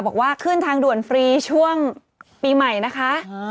บอกว่าขึ้นทางด่วนฟรีช่วงปีใหม่นะคะ